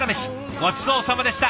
ごちそうさまでした。